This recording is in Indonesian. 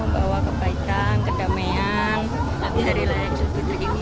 membawa kebaikan kedamaian hari hari lain